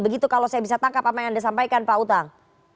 begitu kalau saya bisa tangkap apa yang anda sampaikan pak utang